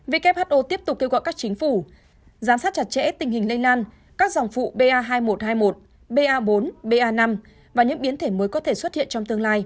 who tiếp tục kêu gọi các chính phủ giám sát chặt chẽ tình hình lây lan các dòng phụ ba hai nghìn một trăm hai mươi một ba bốn ba năm và những biến thể mới có